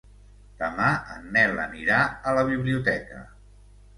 Demà en Nel anirà a la biblioteca.